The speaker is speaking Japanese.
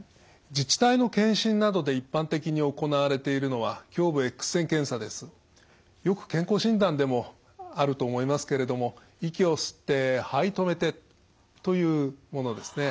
自治体の検診などで一般的に行われているのはよく健康診断でもあると思いますけれども息を吸ってはい止めて。というものですね。